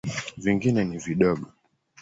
Vingine ni vidogo.